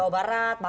jawa barat banten